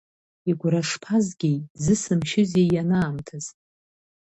Игәра шԥазгеи, дзысымшьызеи ианаамҭаз…